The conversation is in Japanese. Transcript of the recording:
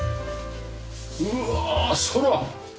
うわあ空！